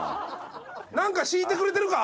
なんか敷いてくれてるか？